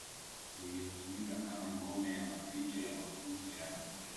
lililotumika kama ngome ya maficho ya mafunzo ya